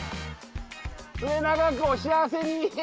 末永くお幸せに。